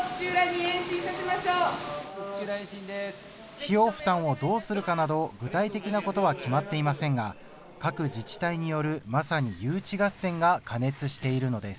費用負担をどうするかなど具体的なことは決まっていませんが各自治体による、まさに誘致合戦が過熱しているのです。